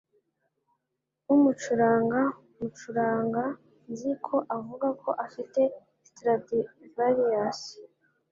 Umucuranga mucuranga nzi ko avuga ko afite Stradivarius.